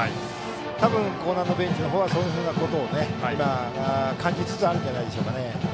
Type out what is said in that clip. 多分、興南のベンチの方はそういうことを今、感じつつあるんじゃないでしょうか。